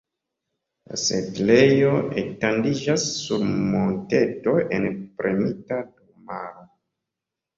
La setlejo etendiĝas sur monteto en premita domaro.